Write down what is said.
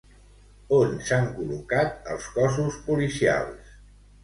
On s'han col·locat els cossos policials?